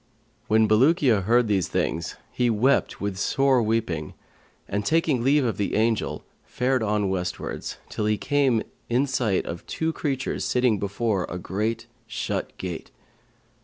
When Bulukiya heard these things he wept with sore weeping and, taking leave of the Angel, fared on westwards, till he came in sight of two creatures sitting before a great shut gate.